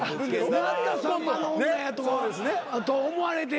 またさんまの女やと思われてんねん。